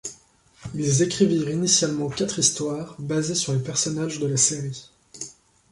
Ils écrivirent initialement quatre histoires basés sur les personnages de la série.